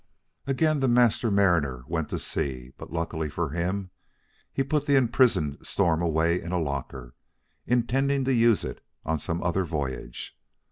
Again the Master Mariner went to sea; but luckily for him, he put the imprisoned storm away in a locker, intending to use it on some other voyage.